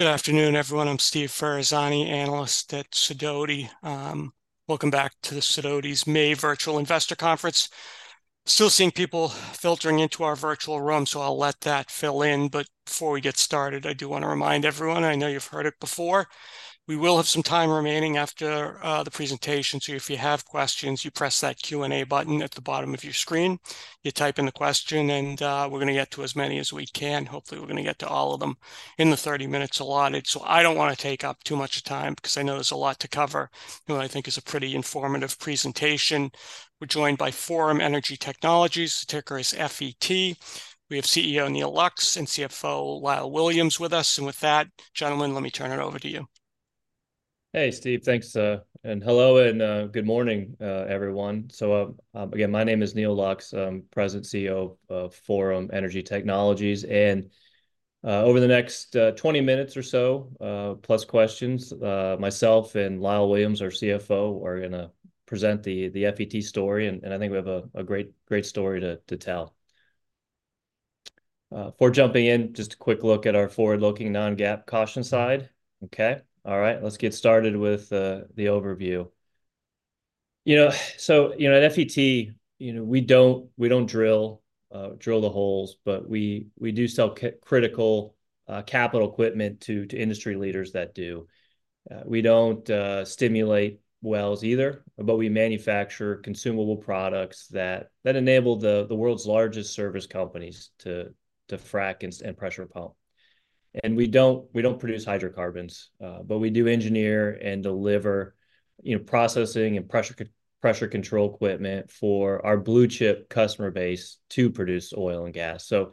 Good afternoon, everyone. I'm Steve Ferazani, analyst at Sidoti. Welcome back to the Sidoti's May Virtual Investor Conference. Still seeing people filtering into our virtual room, so I'll let that fill in. But before we get started, I do wanna remind everyone, I know you've heard it before, we will have some time remaining after the presentation. So if you have questions, you press that Q and A button at the bottom of your screen. You type in the question, and we're gonna get to as many as we can. Hopefully, we're gonna get to all of them in the 30 minutes allotted. So I don't wanna take up too much time because I know there's a lot to cover. And what I think is a pretty informative presentation. We're joined by Forum Energy Technologies, the ticker is FET. We have CEO, Neal Lux, and CFO, Lyle Williams, with us. With that, gentlemen, let me turn it over to you. Hey, Steve. Thanks, and hello, and good morning, everyone. So, again, my name is Neal Lux, I'm President and CEO of Forum Energy Technologies. And, over the next 20 minutes or so, plus questions, myself and Lyle Williams, our CFO, are gonna present the FET story, and I think we have a great story to tell. Before jumping in, just a quick look at our forward-looking non-GAAP caution slide. Okay? All right, let's get started with the overview. You know, so, you know, at FET, you know, we don't drill the holes, but we do sell critical capital equipment to industry leaders that do. We don't stimulate wells either, but we manufacture consumable products that enable the world's largest service companies to frack and pressure pump. And we don't produce hydrocarbons, but we do engineer and deliver, you know, processing and pressure control equipment for our blue-chip customer base to produce oil and gas. So,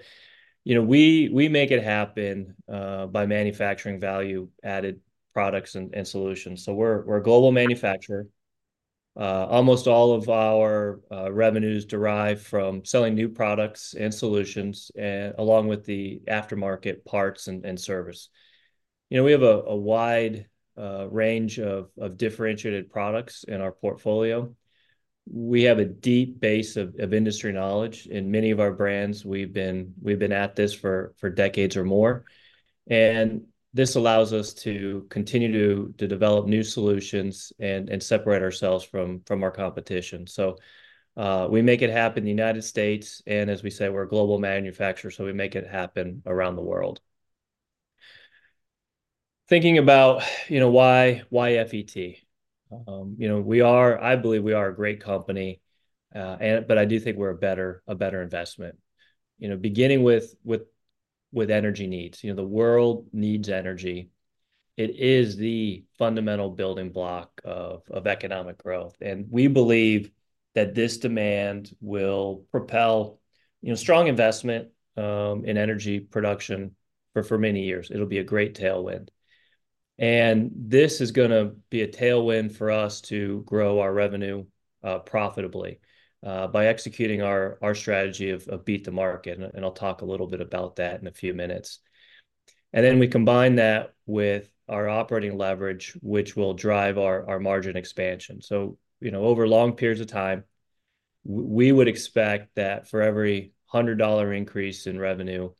you know, we make it happen by manufacturing value-added products and solutions. So we're a global manufacturer. Almost all of our revenues derive from selling new products and solutions, along with the aftermarket parts and service. You know, we have a wide range of differentiated products in our portfolio. We have a deep base of industry knowledge. In many of our brands, we've been at this for decades or more, and this allows us to continue to develop new solutions and separate ourselves from our competition. So, we make it happen in the United States, and as we said, we're a global manufacturer, so we make it happen around the world. Thinking about you know why FET? You know, we are. I believe we are a great company, and but I do think we're a better investment. You know, beginning with energy needs. You know, the world needs energy. It is the fundamental building block of economic growth, and we believe that this demand will propel you know strong investment in energy production for many years. It'll be a great tailwind. This is gonna be a tailwind for us to grow our revenue profitably by executing our strategy of beat the market, and I'll talk a little bit about that in a few minutes. And then we combine that with our operating leverage, which will drive our margin expansion. So, you know, over long periods of time, we would expect that for every $100 increase in revenue,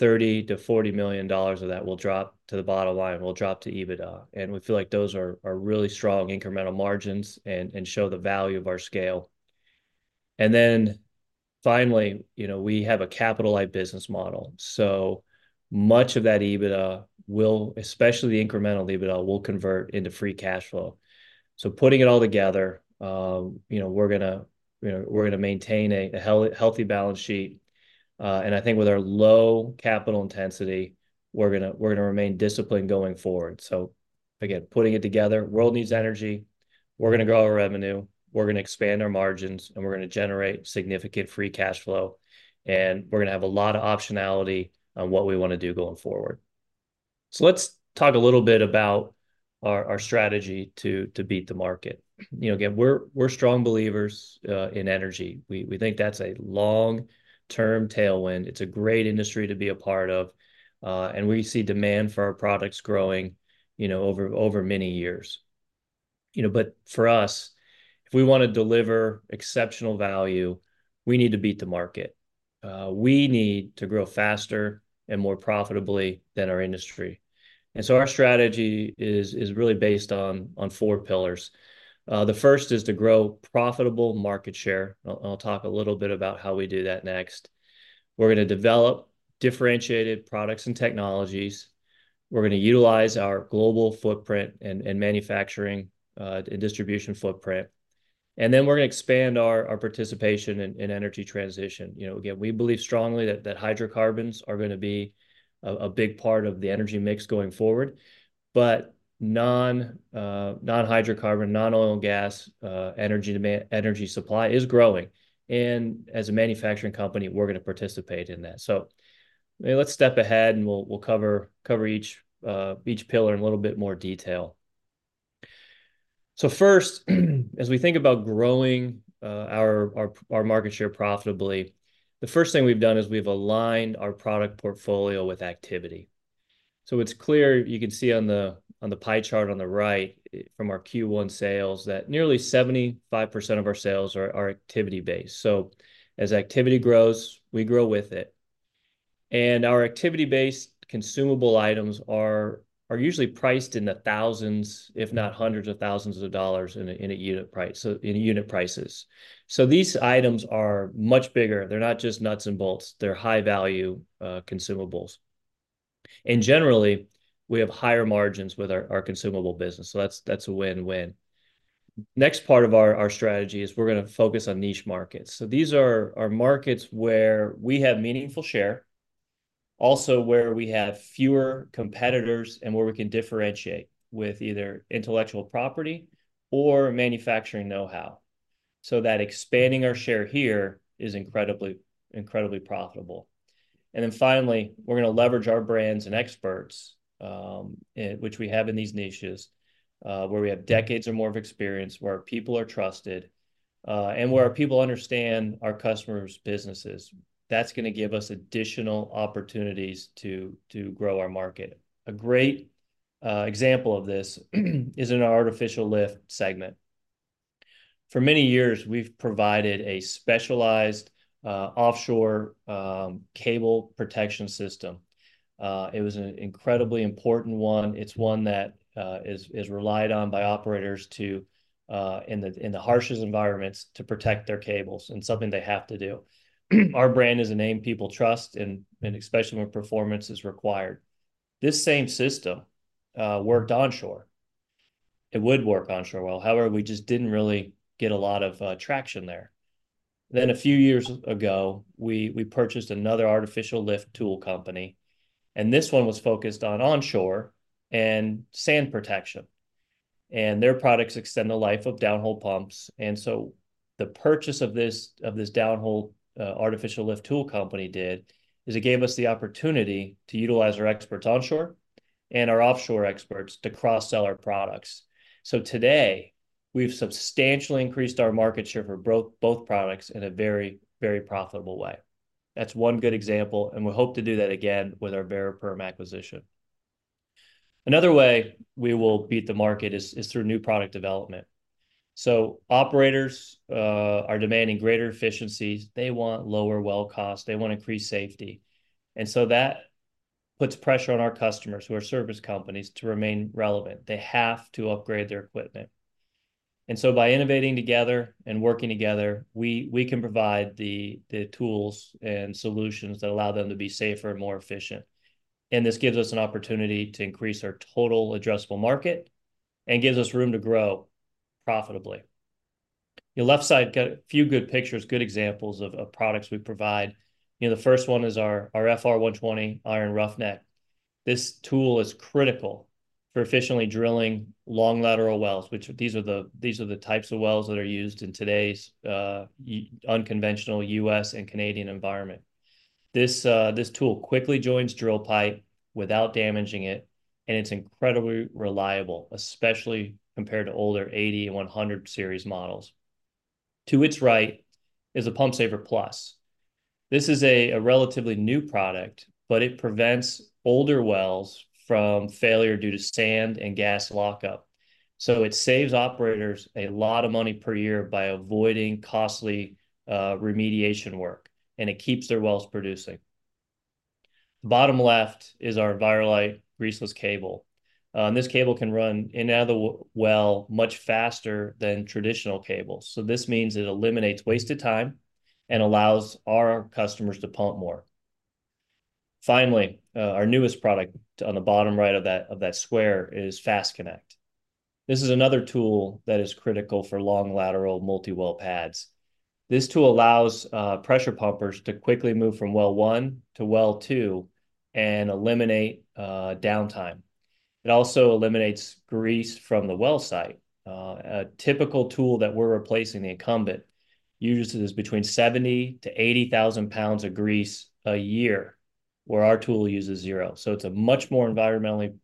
$30 million-$40 million of that will drop to the bottom line, will drop to EBITDA. And we feel like those are really strong incremental margins and show the value of our scale. And then finally, you know, we have a capital-light business model, so much of that EBITDA will, especially the incremental EBITDA, will convert into free cash flow. So putting it all together, you know, we're gonna. We're gonna maintain a healthy balance sheet. And I think with our low capital intensity, we're gonna remain disciplined going forward. So again, putting it together, world needs energy. We're gonna grow our revenue, we're gonna expand our margins, and we're gonna generate significant free cash flow, and we're gonna have a lot of optionality on what we wanna do going forward. So let's talk a little bit about our strategy to beat the market. You know, again, we're strong believers in energy. We think that's a long-term tailwind. It's a great industry to be a part of, and we see demand for our products growing, you know, over many years. You know, but for us, if we wanna deliver exceptional value, we need to beat the market. We need to grow faster and more profitably than our industry. And so our strategy is really based on four pillars. The first is to grow profitable market share. I'll talk a little bit about how we do that next. We're gonna develop differentiated products and technologies. We're gonna utilize our global footprint and manufacturing and distribution footprint. And then we're gonna expand our participation in energy transition. You know, again, we believe strongly that hydrocarbons are gonna be a big part of the energy mix going forward. But non-hydrocarbon, non-oil and gas energy demand, energy supply is growing. And as a manufacturing company, we're gonna participate in that. So let's step ahead, and we'll cover each pillar in a little bit more detail. So first, as we think about growing our market share profitably, the first thing we've done is we've aligned our product portfolio with activity. So it's clear, you can see on the pie chart on the right, from our Q1 sales, that nearly 75% of our sales are activity-based. So as activity grows, we grow with it, and our activity-based consumable items are usually priced in the thousands, if not hundreds of thousands of dollars in a unit price, so in unit prices. So these items are much bigger. They're not just nuts and bolts, they're high-value consumables. And generally, we have higher margins with our consumable business, so that's a win-win. Next part of our strategy is we're gonna focus on niche markets. So these are markets where we have meaningful share, also where we have fewer competitors, and where we can differentiate with either intellectual property or manufacturing know-how, so that expanding our share here is incredibly, incredibly profitable. And then finally, we're gonna leverage our brands and experts, and which we have in these niches, where we have decades or more of experience, where our people are trusted, and where our people understand our customers' businesses. That's gonna give us additional opportunities to grow our market. A great example of this is in our Artificial Lift segment. For many years, we've provided a specialized offshore cable protection system. It was an incredibly important one. It's one that is relied on by operators to in the harshest environments to protect their cables, and something they have to do. Our brand is a name people trust, and especially when performance is required. This same system worked onshore. It would work onshore well, however, we just didn't really get a lot of traction there. Then, a few years ago, we purchased another artificial lift tool company, and this one was focused on onshore and sand protection, and their products extend the life of downhole pumps. And so the purchase of this downhole artificial lift tool company did. It gave us the opportunity to utilize our experts onshore and our offshore experts to cross-sell our products. So today, we've substantially increased our market share for both, both products in a very, very profitable way. That's one good example, and we hope to do that again with our Variperm acquisition. Another way we will beat the market is through new product development. So operators are demanding greater efficiencies. They want lower well cost. They want increased safety, and so that puts pressure on our customers, who are service companies, to remain relevant. They have to upgrade their equipment. And so by innovating together and working together, we, we can provide the, the tools and solutions that allow them to be safer and more efficient, and this gives us an opportunity to increase our total addressable market and gives us room to grow profitably. Your left side, got a few good pictures, good examples of, of products we provide. You know, the first one is our, our FR120 iron roughneck. This tool is critical for efficiently drilling long lateral wells, which these are the, these are the types of wells that are used in today's unconventional U.S. and Canadian environment. This tool quickly joins drill pipe without damaging it, and it's incredibly reliable, especially compared to older 80 and 100 series models. To its right is a Pump Saver Plus. This is a relatively new product, but it prevents older wells from failure due to sand and gas lockup, so it saves operators a lot of money per year by avoiding costly remediation work, and it keeps their wells producing. The bottom left is our Enviro-Lite greaseless cable, and this cable can run in any other well much faster than traditional cables, so this means it eliminates wasted time and allows our customers to pump more. Finally, our newest product, on the bottom right of that, of that square, is FASTConnect. This is another tool that is critical for long, lateral multi-well pads. This tool allows pressure pumpers to quickly move from well one to well two and eliminate downtime. It also eliminates grease from the well site. A typical tool that we're replacing, the incumbent, uses between 70,000-80,000 lbs of grease a year, where our tool uses zero. So it's a much more environmentally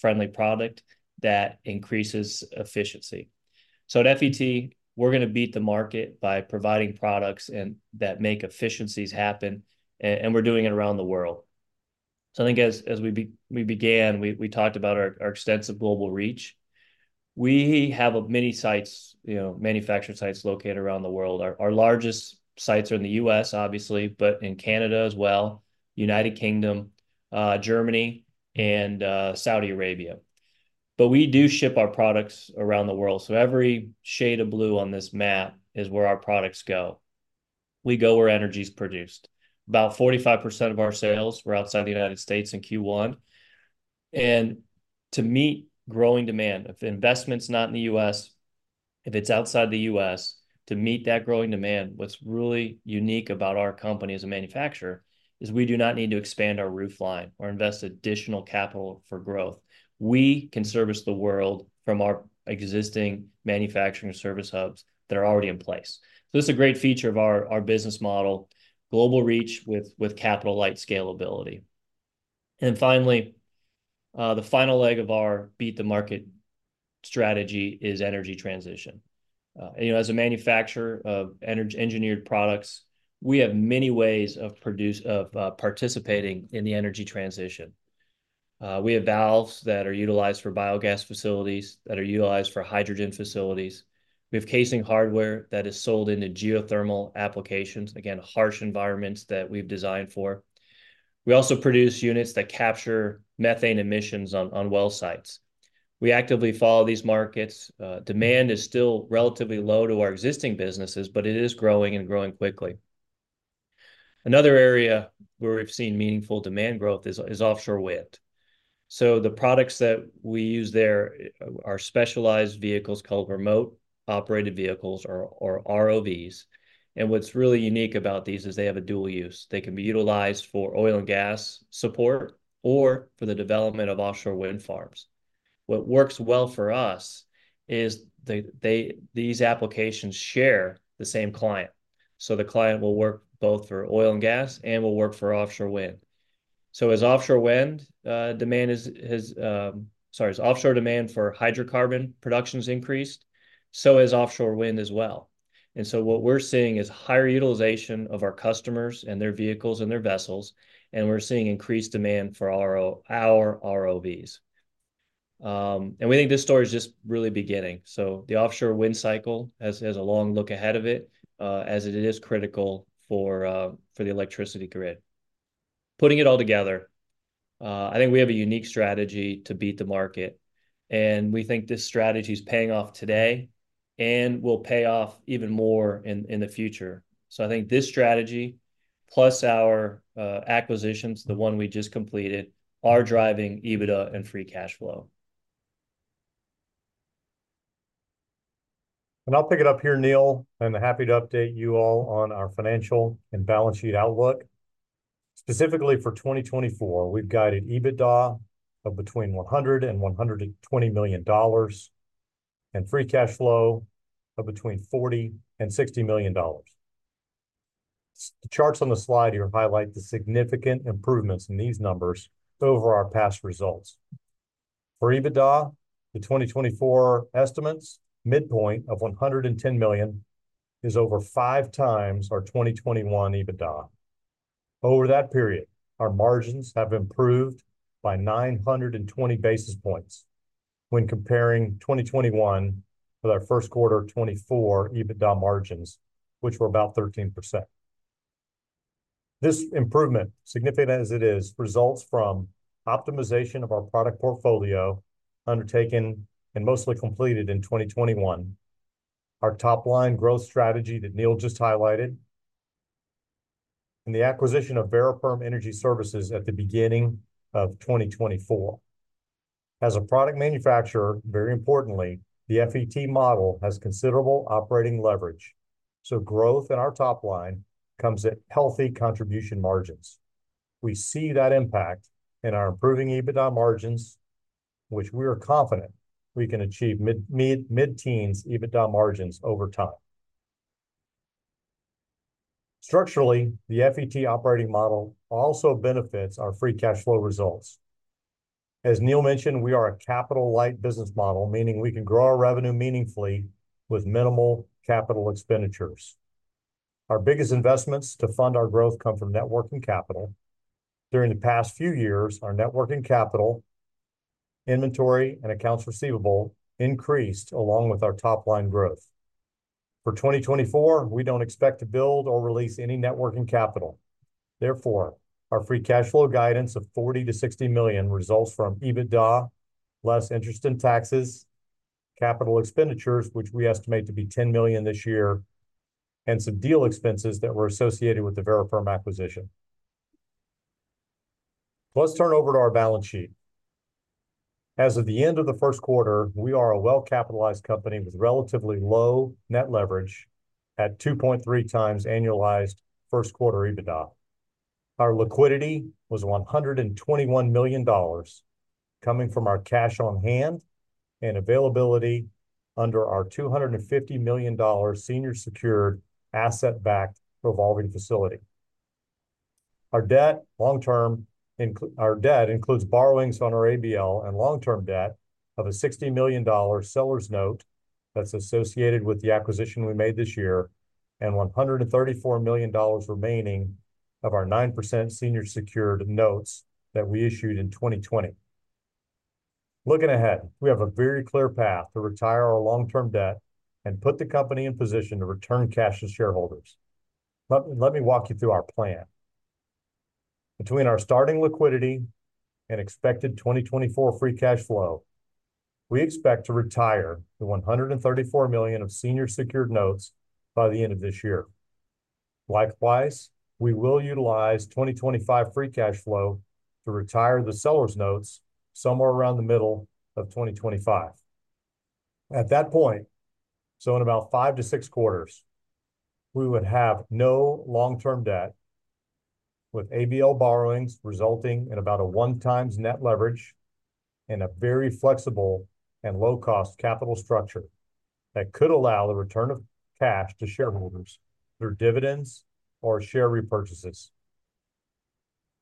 friendly product that increases efficiency. So at FET, we're gonna beat the market by providing products and that make efficiencies happen, and we're doing it around the world. So I think as we began, we talked about our extensive global reach. We have many sites, you know, manufacturing sites located around the world. Our largest sites are in the U.S., obviously, but in Canada as well, United Kingdom, Germany, and Saudi Arabia. But we do ship our products around the world, so every shade of blue on this map is where our products go. We go where energy's produced. About 45% of our sales were outside the United States in Q1, and to meet growing demand, if investment's not in the U.S., if it's outside the U.S., to meet that growing demand, what's really unique about our company as a manufacturer is we do not need to expand our roof line or invest additional capital for growth. We can service the world from our existing manufacturing service hubs that are already in place. So this is a great feature of our business model: global reach with capital light scalability. And finally, the final leg of our beat-the-market strategy is energy transition. You know, as a manufacturer of engineered products, we have many ways of participating in the energy transition. We have valves that are utilized for biogas facilities, that are utilized for hydrogen facilities. We have casing hardware that is sold into geothermal applications, again, harsh environments that we've designed for. We also produce units that capture methane emissions on well sites. We actively follow these markets. Demand is still relatively low to our existing businesses, but it is growing, and growing quickly. Another area where we've seen meaningful demand growth is offshore wind. So the products that we use there are specialized vehicles called remotely operated vehicles, or ROVs, and what's really unique about these is they have a dual use. They can be utilized for oil and gas support or for the development of offshore wind farms. What works well for us is these applications share the same client, so the client will work both for oil and gas, and will work for offshore wind. So as offshore demand for hydrocarbon production has increased, so has offshore wind as well. And so what we're seeing is higher utilization of our customers and their vehicles and their vessels, and we're seeing increased demand for our ROVs. And we think this story is just really beginning, so the offshore wind cycle has a long look ahead of it, as it is critical for the electricity grid. Putting it all together, I think we have a unique strategy to beat the market, and we think this strategy's paying off today, and will pay off even more in the future. I think this strategy, plus our acquisitions, the one we just completed, are driving EBITDA and free cash flow. And I'll pick it up here, Neal. I'm happy to update you all on our financial and balance sheet outlook. Specifically for 2024, we've guided EBITDA of between $100 million and $120 million, and free cash flow of between $40 million and $60 million. The charts on the slide here highlight the significant improvements in these numbers over our past results. For EBITDA, the 2024 estimates midpoint of $110 million is over 5x our 2021 EBITDA. Over that period, our margins have improved by 920 basis points when comparing 2021 with our first quarter of 2024 EBITDA margins, which were about 13%. This improvement, significant as it is, results from optimization of our product portfolio undertaken and mostly completed in 2021, our top-line growth strategy that Neal just highlighted, and the acquisition of Variperm Energy Services at the beginning of 2024. As a product manufacturer, very importantly, the FET model has considerable operating leverage, so growth in our top line comes at healthy contribution margins. We see that impact in our improving EBITDA margins, which we are confident we can achieve mid-teens EBITDA margins over time. Structurally, the FET operating model also benefits our free cash flow results. As Neal mentioned, we are a capital-light business model, meaning we can grow our revenue meaningfully with minimal capital expenditures. Our biggest investments to fund our growth come from net working capital. During the past few years, our net working capital, inventory, and accounts receivable increased along with our top-line growth. For 2024, we don't expect to build or release any net working capital. Therefore, our free cash flow guidance of $40 million-$60 million results from EBITDA, less interest in taxes, capital expenditures, which we estimate to be $10 million this year, and some deal expenses that were associated with the Variperm acquisition. Let's turn over to our balance sheet. As of the end of the first quarter, we are a well-capitalized company with relatively low net leverage at 2.3x annualized first quarter EBITDA. Our liquidity was $121 million, coming from our cash on hand and availability under our $250 million senior secured asset-backed revolving facility. Our long-term debt includes borrowings on our ABL and long-term debt of a $60 million seller's note that's associated with the acquisition we made this year, and $134 million remaining of our 9% senior secured notes that we issued in 2020. Looking ahead, we have a very clear path to retire our long-term debt and put the company in position to return cash to shareholders. Let me walk you through our plan. Between our starting liquidity and expected 2024 free cash flow, we expect to retire the $134 million of senior secured notes by the end of this year. Likewise, we will utilize 2025 free cash flow to retire the seller's notes somewhere around the middle of 2025. At that point, so in about five to six quarters, we would have no long-term debt, with ABL borrowings resulting in about a 1x net leverage and a very flexible and low-cost capital structure that could allow the return of cash to shareholders through dividends or share repurchases.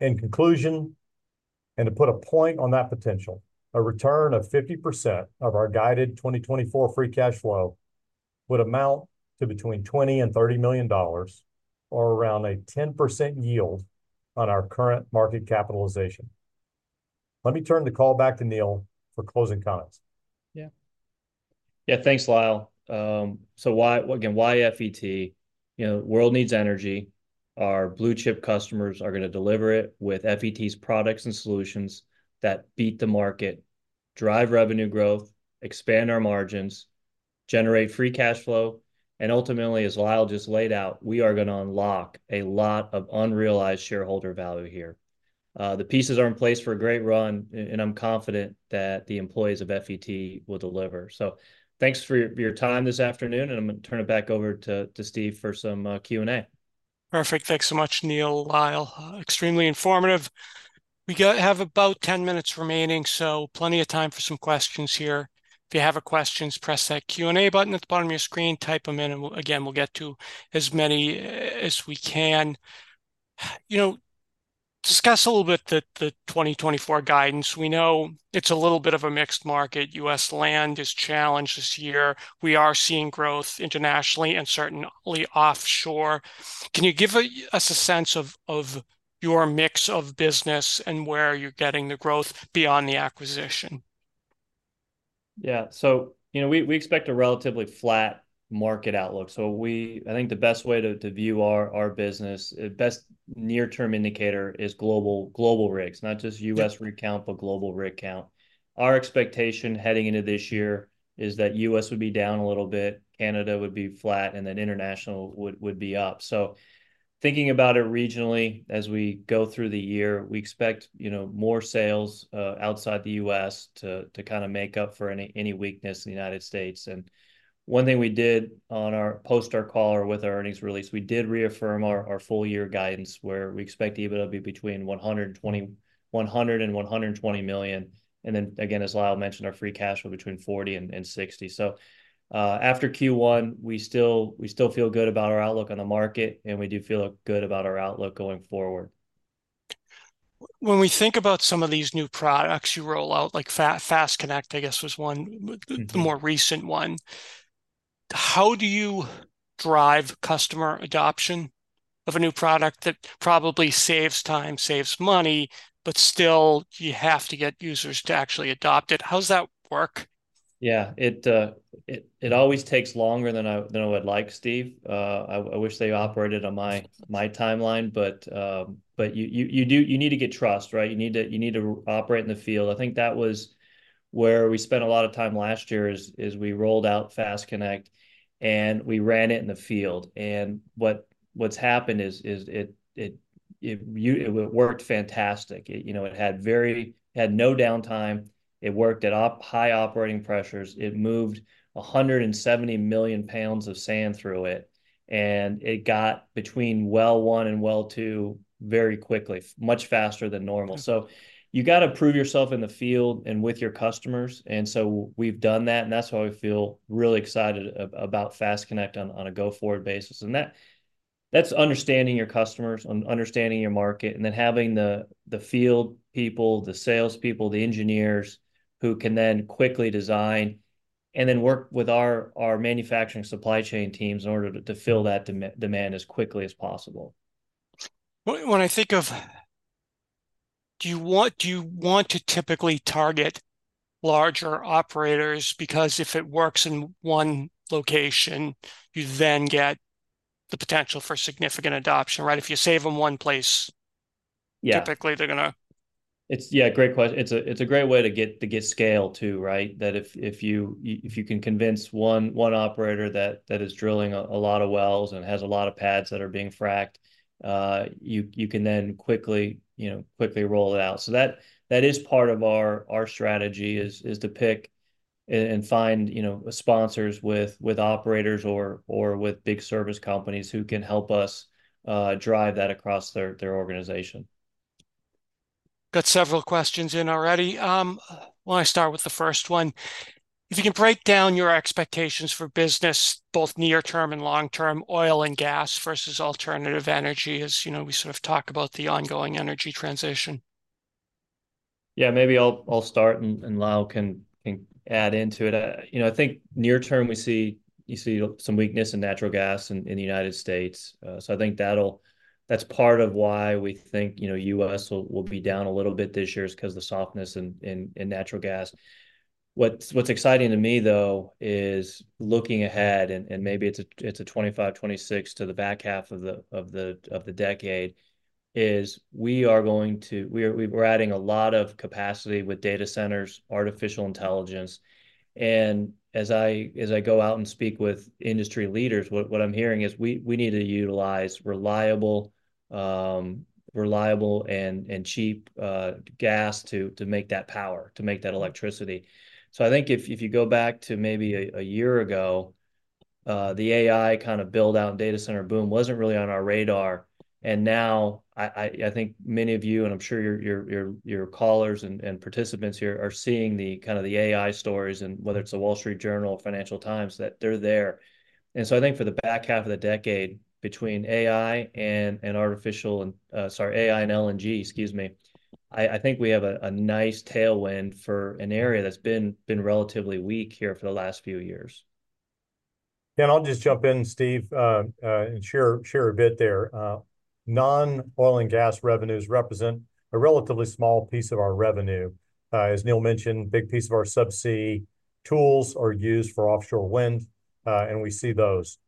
In conclusion, and to put a point on that potential, a return of 50% of our guided 2024 free cash flow would amount to between $20-$30 million, or around a 10% yield on our current market capitalization. Let me turn the call back to Neal for closing comments. Yeah. Yeah, thanks, Lyle. So why, again, why FET? You know, the world needs energy. Our blue-chip customers are gonna deliver it with FET's products and solutions that beat the market, drive revenue growth, expand our margins, generate free cash flow, and ultimately, as Lyle just laid out, we are gonna unlock a lot of unrealized shareholder value here. The pieces are in place for a great run, and I'm confident that the employees of FET will deliver. So thanks for your time this afternoon, and I'm gonna turn it back over to Steve for some Q&A. Perfect. Thanks so much, Neal, Lyle. Extremely informative. We have about 10 minutes remaining, so plenty of time for some questions here. If you have questions, press that Q&A button at the bottom of your screen, type them in, and again, we'll get to as many as we can. You know, discuss a little bit the 2024 guidance. We know it's a little bit of a mixed market. U.S. land is challenged this year. We are seeing growth internationally and certainly offshore. Can you give us a sense of your mix of business and where you're getting the growth beyond the acquisition? Yeah. So, you know, we expect a relatively flat market outlook. So, I think the best way to view our business, the best near-term indicator is global rigs. Not just U.S. rig count, but global rig count. Our expectation heading into this year is that U.S. would be down a little bit, Canada would be flat, and then international would be up. So thinking about it regionally, as we go through the year, we expect, you know, more sales outside the U.S. to kind of make up for any weakness in the United States. And one thing we did, post our call or with our earnings release, we did reaffirm our full year guidance, where we expect EBITDA to be between $100 million and $120 million, and then, again, as Lyle mentioned, our free cash flow between $40 million and $60 million. So, after Q1, we still feel good about our outlook on the market, and we do feel good about our outlook going forward. When we think about some of these new products you roll out, like FASTConnect, I guess, was one- Mm-hmm. The more recent one, how do you drive customer adoption of a new product that probably saves time, saves money, but still, you have to get users to actually adopt it? How does that work? Yeah, it always takes longer than I would like, Steve. I wish they operated on my timeline, but you do—you need to get trust, right? You need to operate in the field. I think that was where we spent a lot of time last year is we rolled out FASTConnect, and we ran it in the field. And what's happened is it worked fantastic. You know, it had no downtime, it worked at high operating pressures, it moved 170 MMlbs of sand through it, and it got between well one and well two very quickly, much faster than normal. So you got to prove yourself in the field and with your customers, and so we've done that, and that's why we feel really excited about FASTConnect on a go-forward basis. And that's understanding your customers and understanding your market, and then having the field people, the salespeople, the engineers, who can then quickly design and then work with our manufacturing supply chain teams in order to fill that demand as quickly as possible. When I think of, do you want to typically target larger operators? Because if it works in one location, you then get the potential for significant adoption, right? If you save them one place- Yeah. Typically, they're gonna- Yeah, it's a great way to get scale, too, right? That if you can convince one operator that is drilling a lot of wells and has a lot of pads that are being fracked, you can then quickly, you know, roll it out. So that is part of our strategy, to pick and find, you know, sponsors with operators or with big service companies who can help us drive that across their organization. Got several questions in already. Why don't I start with the first one? If you can break down your expectations for business, both near term and long term, oil and gas versus alternative energy, as you know, we sort of talk about the ongoing energy transition. Yeah, maybe I'll start, and Lyle can add into it. You know, I think near term, we see you see some weakness in natural gas in the United States. So I think that'll—that's part of why we think, you know, U.S. will be down a little bit this year, is 'cause of the softness in natural gas. What's exciting to me, though, is looking ahead, and maybe it's a 2025, 2026, to the back half of the decade, is we are going to - we're adding a lot of capacity with data centers, artificial intelligence, and as I go out and speak with industry leaders, what I'm hearing is we need to utilize reliable and cheap gas to make that power, to make that electricity. So I think if you go back to maybe a year ago, the AI kind of build-out and data center boom wasn't really on our radar. And now, I think many of you, and I'm sure your callers and participants here, are seeing the kind of the AI stories, and whether it's The Wall Street Journal or Financial Times, that they're there. And so I think for the back half of the decade, between AI and LNG, excuse me, I think we have a nice tailwind for an area that's been relatively weak here for the last few years. I'll just jump in, Steve, and share a bit there. Non-oil and gas revenues represent a relatively small piece of our revenue. As Neal mentioned, a big piece of our subsea tools are used for offshore wind, and we see those.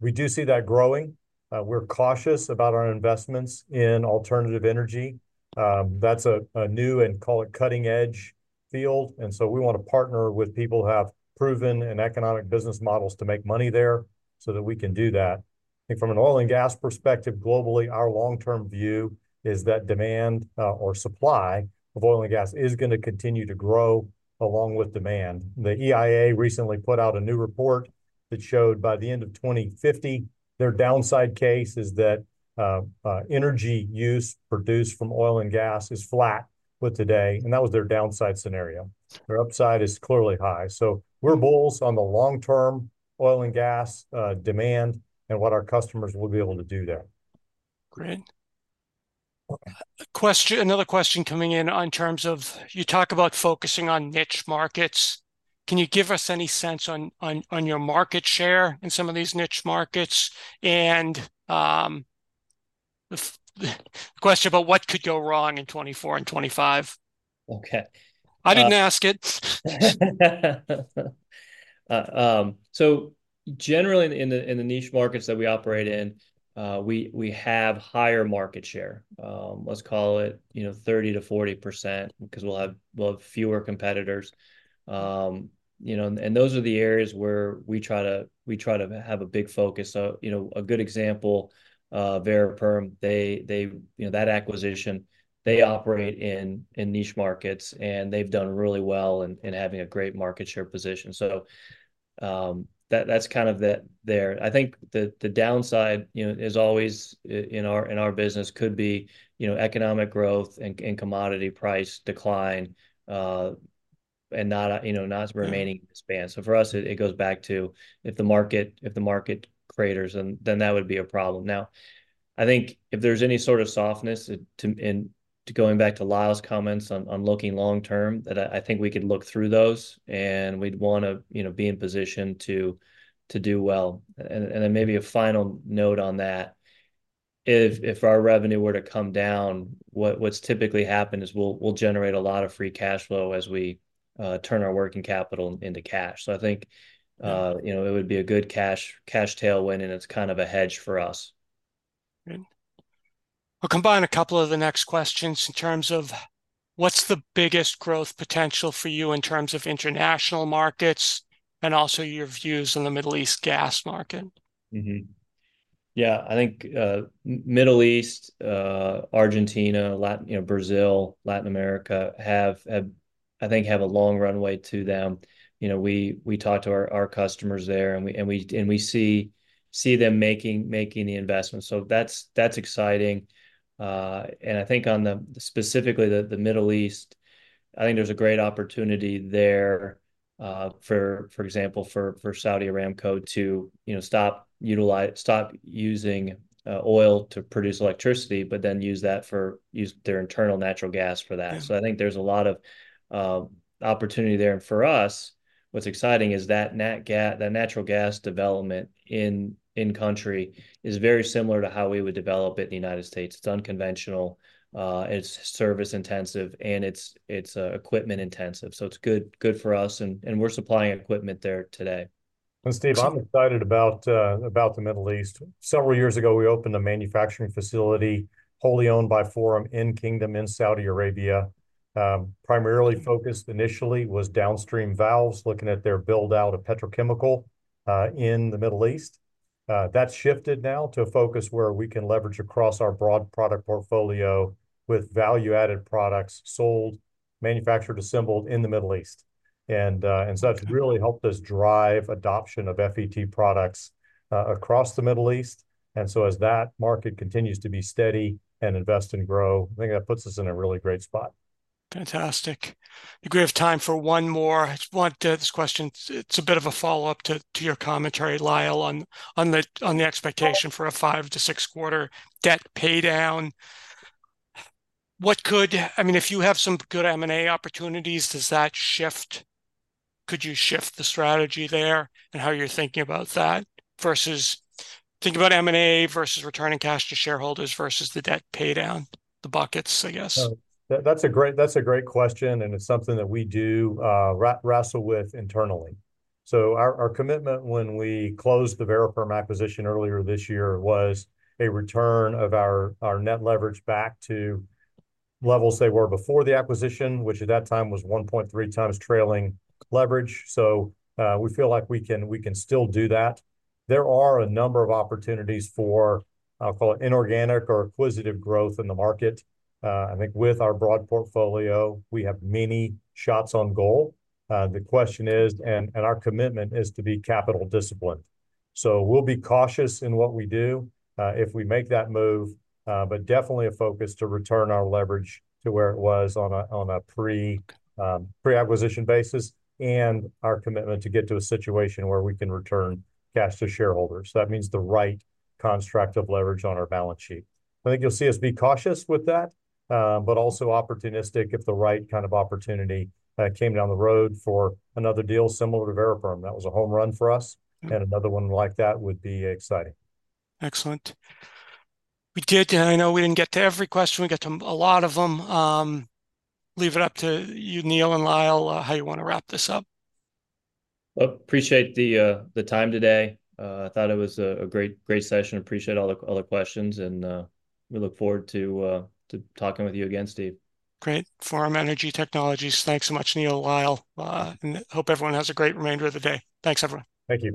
We do see that growing. We're cautious about our investments in alternative energy. That's a new, and call it, cutting edge field, and so we want to partner with people who have proven and economic business models to make money there so that we can do that. And from an oil and gas perspective, globally, our long-term view is that demand, or supply of oil and gas is gonna continue to grow along with demand. The EIA recently put out a new report that showed, by the end of 2050, their downside case is that, energy use produced from oil and gas is flat with today, and that was their downside scenario. Their upside is clearly high. So we're bulls on the long-term oil and gas, demand and what our customers will be able to do there. Great. Another question coming in in terms of, you talk about focusing on niche markets, can you give us any sense on your market share in some of these niche markets? And, a question about what could go wrong in 2024 and 2025? Okay. I didn't ask it. So generally in the niche markets that we operate in, we have higher market share, let's call it, you know, 30%-40%, because we'll have fewer competitors. You know, and those are the areas where we try to have a big focus. So, you know, a good example, Variperm, they, you know, that acquisition, they operate in niche markets, and they've done really well in having a great market share position. So, that, that's kind of the there. I think the downside, you know, is always in our business could be, you know, economic growth and commodity price decline, and not, you know, not remaining in span. So for us, it goes back to if the market craters, and then that would be a problem. Now, I think if there's any sort of softness, and going back to Lyle's comments on looking long term, that I think we could look through those, and we'd want to, you know, be in position to do well. And then maybe a final note on that, if our revenue were to come down, what's typically happened is we'll generate a lot of free cash flow as we turn our working capital into cash. So I think, you know, it would be a good cash tailwind, and it's kind of a hedge for us. Good. We'll combine a couple of the next questions in terms of: what's the biggest growth potential for you in terms of international markets, and also your views on the Middle East gas market? Mm-hmm. Yeah, I think Middle East, Argentina, Latin, you know, Brazil, Latin America have a long runway to them. You know, we talk to our customers there, and we see them making the investments. So that's exciting. And I think on specifically the Middle East, I think there's a great opportunity there, for example, for Saudi Aramco to, you know, stop using oil to produce electricity, but then use that for, use their internal natural gas for that. Yeah. So I think there's a lot of opportunity there. And for us, what's exciting is that nat gas—that natural gas development in country is very similar to how we would develop it in the United States. It's unconventional, it's service intensive, and it's equipment intensive, so it's good for us, and we're supplying equipment there today. And Steve- So- I'm excited about, about the Middle East. Several years ago, we opened a manufacturing facility, wholly owned by Forum, in the Kingdom, in Saudi Arabia. Primarily focused initially was downstream valves, looking at their build-out of petrochemical, in the Middle East. That's shifted now to a focus where we can leverage across our broad product portfolio with value-added products sold, manufactured, assembled in the Middle East. And, and so that's really helped us drive adoption of FET products, across the Middle East. And so as that market continues to be steady and invest and grow, I think that puts us in a really great spot. Fantastic. I think we have time for one more. I just want this question. It's a bit of a follow-up to your commentary, Lyle, on the expectation for a five to six quarter debt pay down. What could, I mean, if you have some good M&A opportunities, does that shift? Could you shift the strategy there, and how you're thinking about that versus think about M&A versus returning cash to shareholders versus the debt pay down, the buckets, I guess? That, that's a great, that's a great question, and it's something that we do, wrestle with internally. So our, our commitment when we closed the Variperm acquisition earlier this year was a return of our, our net leverage back to levels they were before the acquisition, which at that time was 1.3x trailing leverage. So, we feel like we can, we can still do that. There are a number of opportunities for, I'll call it, inorganic or acquisitive growth in the market. I think with our broad portfolio, we have many shots on goal. The question is, and, and our commitment is to be capital disciplined. So we'll be cautious in what we do, if we make that move, but definitely a focus to return our leverage to where it was on a pre-acquisition basis, and our commitment to get to a situation where we can return cash to shareholders. That means the right construct of leverage on our balance sheet. I think you'll see us be cautious with that, but also opportunistic if the right kind of opportunity came down the road for another deal similar to Variperm. That was a home run for us, and another one like that would be exciting. Excellent. We did, and I know we didn't get to every question, we got to a lot of them. Leave it up to you, Neal and Lyle, how you want to wrap this up. Well, appreciate the time today. I thought it was a great, great session. Appreciate all the questions, and we look forward to talking with you again, Steve. Great. Forum Energy Technologies, thanks so much, Neal, Lyle. And hope everyone has a great remainder of the day. Thanks, everyone. Thank you.